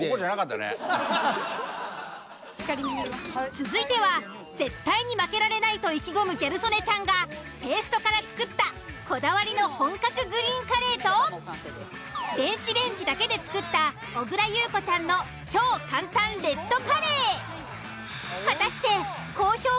続いては絶対に負けられないと意気込むギャル曽根ちゃんがペーストから作ったこだわりの本格グリーンカレーと電子レンジだけで作った小倉優子ちゃんの超簡単レッドカレー。